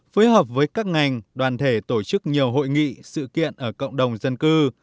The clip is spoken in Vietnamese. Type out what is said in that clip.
phối hợp với các ngành đoàn thể tổ chức nhiều hội nghị sự kiện ở cộng đồng dân cư